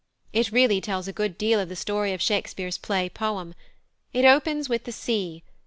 It really tells a good deal of the story of Shakespeare's play poem. It opens with "The Sea."